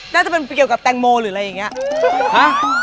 น่าจะเป็นเกี่ยวกับแตงโมหรืออะไรอย่างนี้